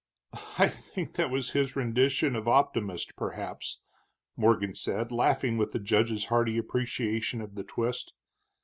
"I think that was his rendition of optimist, perhaps," Morgan said, laughing with the judge's hearty appreciation of the twist.